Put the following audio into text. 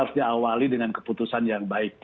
harus diawali dengan keputusan yang baik